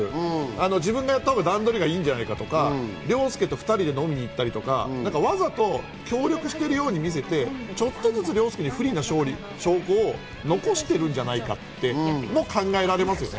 自分でやったほうが段取りがいいんじゃないかとか、２人で飲みに行ったりとか協力しているように見せてちょっとずつ凌介に不利な証拠を残しているんじゃないかって考えられますよね。